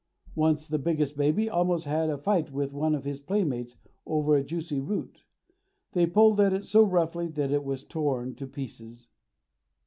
Once the biggest baby almost had a fight with one of his playmates over a juicy root. They pulled at it so roughly that it was torn to pieces.